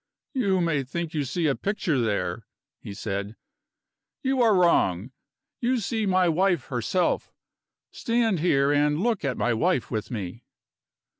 "You may think you see a picture there," he said. "You are wrong. You see my wife herself. Stand here, and look at my wife with me."